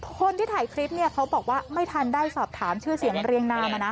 คนที่ถ่ายคลิปเนี่ยเขาบอกว่าไม่ทันได้สอบถามชื่อเสียงเรียงนามนะ